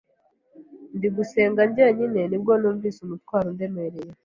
ndi gusenga njyenyine nibwo numvise umutwaro undemereye